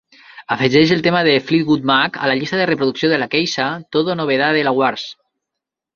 Afegeix el tema de Fleetwood Mac a la llista de reproducció de la Lakeisha "TODO NOVEDADelawareS".